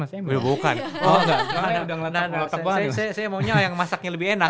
saya maunya yang masaknya lebih enak